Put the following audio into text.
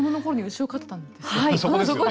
牛を飼っていたんですね。